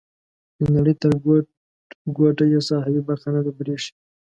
د نړۍ تر ګوټ ګوټه یې ساحوي برخه نه ده پریښې.